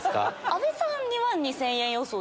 阿部さん２万２０００円予想。